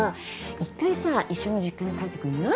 一回さ一緒に実家に帰ってくんない？